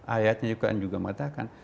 ayatnya juga yang dikatakan